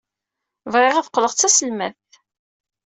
Bɣiɣ ad qqleɣ d taselmadt.